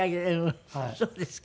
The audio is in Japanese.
そうですか。